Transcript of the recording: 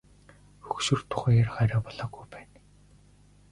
Хөгшрөх тухай ярих арай болоогүй байна.